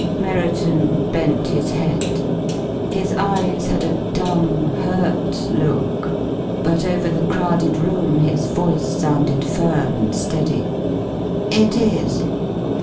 Merriton bent his head. His eyes had a dumb, hurt look, but over the crowded room his voice sounded firm and steady. "It is."